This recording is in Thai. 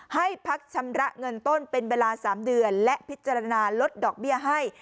ให้พักชำระเงินต้นเป็นเวลา๓เดือนและพิจารณาลดดอกเบี้ยให้